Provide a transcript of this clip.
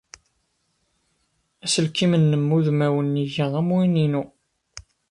Aselkim-nnem udmawan iga am win-inu.